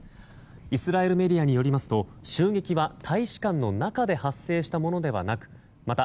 イスラエルメディアによりますと襲撃は大使館の中で発生したものではなくまた